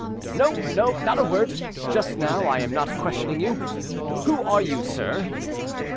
"No, no, not a word. Just now I am not questioning you. Who are you, sir?"